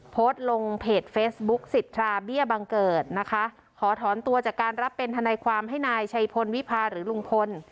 โพสต์ลงเพจเฟซบุ๊กสิทธาเบี้ยบังเกิดนะคะขอถอนตัวจากการรับเป็นทนายความให้นายชัยพลวิพาหรือลุงพล